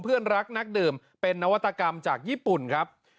เพื่อนรักนักดื่มเป็นนวัตกรรมจากญี่ปุ่นครับ